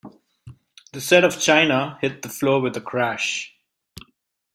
The set of china hit the floor with a crash.